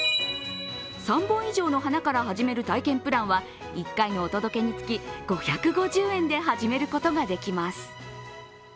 ３本以上の花から始める体験プランは１回のお届けにつき、５５０円で始めることができます。